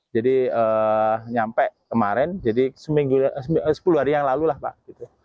jadi nyampe kemarin jadi sepuluh hari yang lalu lah pak